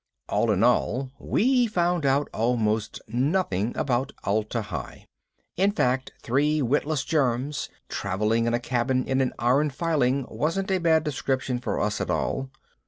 All in all, we found out almost nothing about Atla Hi. In fact, three witless germs traveling in a cabin in an iron filing wasn't a bad description of us at all.